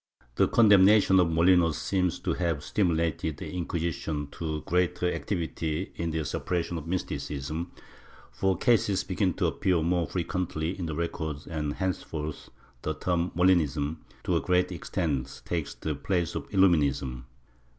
^ The condemnation of Molinos seems to have stimulated the Inquisition to greater activity in the suppression of mysticism, for cases begin to appear more frequently in the records and hence forth the term Mohnism, to a great extent, takes the place of Illu minism.